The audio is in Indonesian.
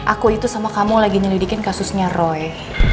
aku itu sama kamu lagi nyelidikin kasusnya roy